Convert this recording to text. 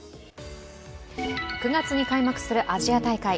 ９月に開幕するアジア大会。